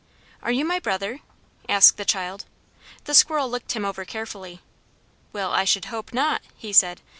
"Are you my brother?" asked the child. The squirrel looked him over carefully. "Well, I should hope not!" he said.